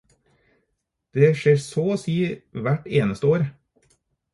Det skjer så å si hvert eneste år.